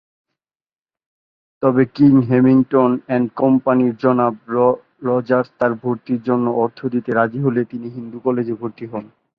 তবে, King Hamilton and company জনাব Rogers তার ভর্তির জন্য অর্থ দিতে রাজি হলে তিনি হিন্দু কলেজে ভর্তি হন।